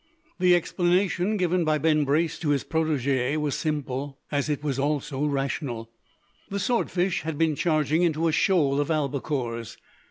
The explanation given by Ben Brace to his protege was simple, as it was also rational. The sword fish had been charging into a shoal of albacores.